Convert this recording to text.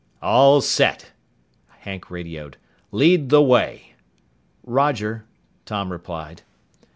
"All set," Hank radioed. "Lead the way." "Roger!" Tom replied.